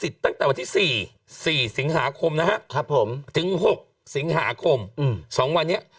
ตั้งแต่วันที่๔๔สิงหาคมนะครับผมถึง๖สิงหาคม๒วันนี้